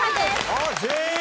ああ全員。